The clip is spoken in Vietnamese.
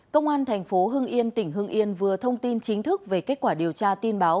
công an thành phố hưng yên tỉnh hưng yên vừa thông tin chính thức về kết quả điều tra tin báo